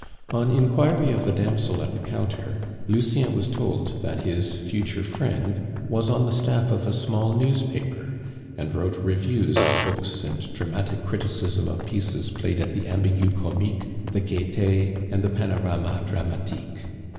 On inquiry of the damsel at the counter, Lucien was told that his future friend was on the staff of a small newspaper, and wrote reviews of books and dramatic criticism of pieces played at the Ambigu Comique, the Gaite, and the Panorama Dramatique.